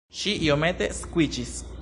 Ŝi iomete skuiĝis.